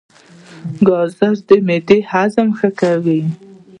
ګازرې د معدې هضم ښه کوي.